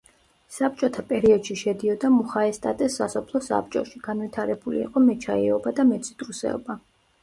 საბჭოთა პერიოდში შედიოდა მუხაესტატეს სასოფლო საბჭოში, განვითარებული იყო მეჩაიეობა და მეციტრუსეობა.